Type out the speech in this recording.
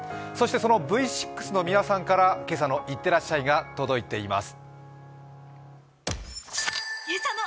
そのＶ６の皆さんから、「今朝のいってらっしゃい」が届いています。